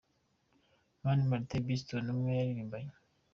Mani Martin i Boston ubwo yaririmbaga.